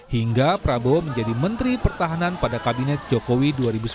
hingga prabowo menjadi menteri pertahanan pada kabinet jokowi dua ribu sembilan belas dua ribu dua puluh empat